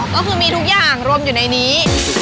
ก็คือมีทุกอย่างรวมอยู่ในนี้